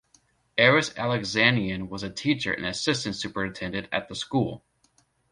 Aris Alexanian was a teacher and assistant superintendent at the school.